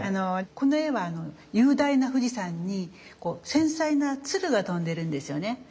この絵は雄大な富士山に繊細な鶴が飛んでるんですよね。